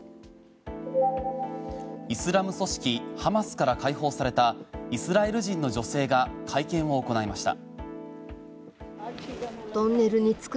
イスラム組織ハマスから解放されたイスラエル人の女性が会見を行いました。